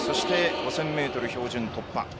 ５０００ｍ標準突破です。